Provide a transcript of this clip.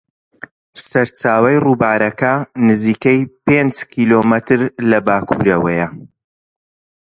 سەرچاوەی ڕووبارەکە نزیکەی پێنج کیلۆمەتر لە باکوورەوەیە.